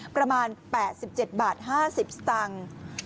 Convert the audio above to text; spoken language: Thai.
ประมาณ๘๗บาท๕๐สตางค์